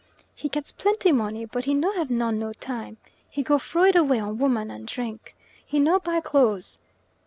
"He gets plenty money, but he no have none no time." "He go frow it away on woman, and drink." "He no buy clothes."